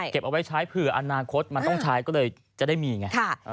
เอาไว้ใช้เผื่ออนาคตมันต้องใช้ก็เลยจะได้มีไง